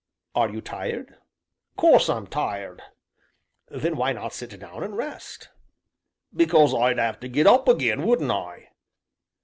"Are you tired?" "'Course I'm tired." "Then why not sit down and rest?" "Because I'd 'ave to get up again, wouldn't I?"